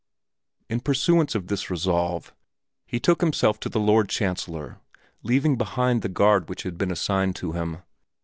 In pursuance of this resolve he betook himself to the Lord Chancellor, leaving behind the guard which had been assigned to him.